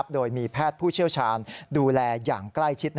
โดยมีแพทย์ผู้เชี่ยวชาญดูแลอย่างใกล้ชิด